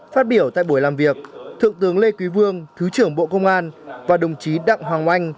phát biểu tại buổi làm việc thượng tướng lê quý vương thứ trưởng bộ công an và đồng chí đặng hoàng anh